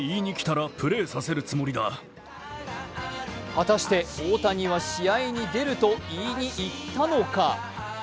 果たして大谷は試合に出ると言いに行ったのか？